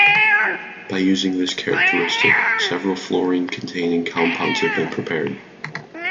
By using this characteristic, several fluorine-containing compounds have been prepared.